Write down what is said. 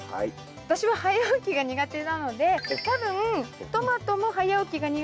私は早起きが苦手なので多分トマトも早起きが苦手なので昼だと思います。